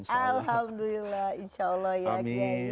alhamdulillah insya allah ya k i